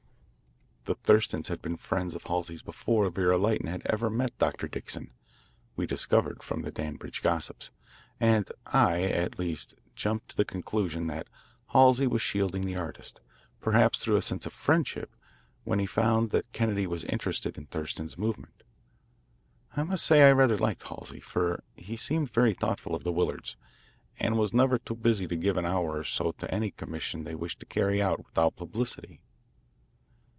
The Thurstons had been friends of Halsey's before Vera Lytton had ever met Dr. Dixon, we discovered from the Danbridge gossips, and I, at least, jumped to the conclusion that Halsey was shielding the artist, perhaps through a sense of friendship when he found that Kennedy was interested in Thurston's movement. I must say I rather liked Halsey, for he seemed very thoughtful of the Willards, and was never too busy to give an hour or so to any commission they wished carried out without publicity..